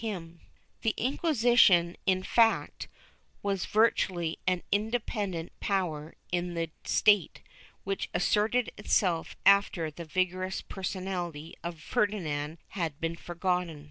II] DOMINATION 5^3 The Inquisition, in fact, was virtually an independent power in the state, which asserted itself after the vigorous personality of Ferdinand had been forgotten.